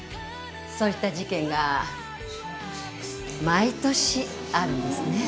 そういった事件が毎年あるんですね。